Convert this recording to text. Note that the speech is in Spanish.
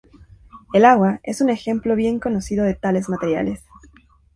El agua es un ejemplo bien conocido de tales materiales.